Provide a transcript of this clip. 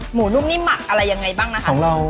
หมูนุ่มนี่หมักอะไรยังไงบ้างนะคะ